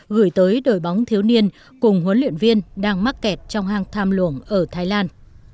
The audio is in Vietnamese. gửi tới đội bóng thiếu niên cùng huấn luyện viên đang mắc kẹt trong hang tham luồng ở thái lan